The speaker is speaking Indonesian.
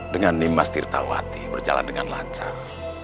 dengan nimas tirtawati berjalan dengan lancar